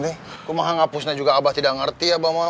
kok mahal hapusin juga abah tidak ngerti abah mah